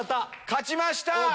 勝ちました！